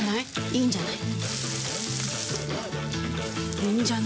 いいんじゃない？